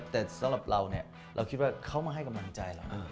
แต่สำหรับเราเนี่ยเราคิดว่าเขามาให้กำลังใจเรา